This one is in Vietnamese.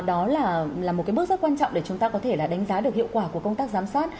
đó là một cái bước rất quan trọng để chúng ta có thể là đánh giá được hiệu quả của công tác giám sát